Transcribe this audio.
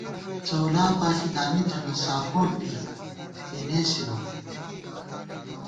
څؤلا پاݪی دامی تھنہ، ساپوٹ بی، بی نېسِبہ